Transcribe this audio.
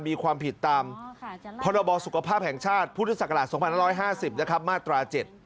มีความผิดตามพศุกรภาพแห่งชาติพศ๒๑๕๐มาตรา๗